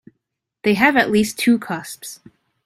They have at least two cusps.